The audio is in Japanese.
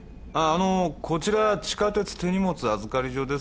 あのこちら地下鉄手荷物預かり所ですが。